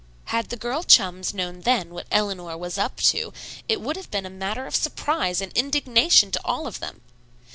Had the girl chums known then what Eleanor "was up to," it would have been a matter of surprise and indignation to all of them.